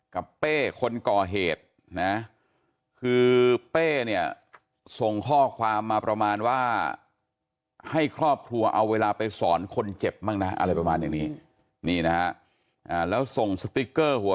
เป้คนก่อเหตุนะคือเป้เนี่ยส่งข้อความมาประมาณว่าให้ครอบครัวเอาเวลาไปสอนคนเจ็บบ้างนะอะไรประมาณอย่างนี้นี่นะฮะแล้วส่งสติ๊กเกอร์หัว